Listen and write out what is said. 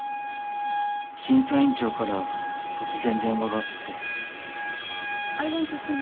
審査員長から突然電話があって。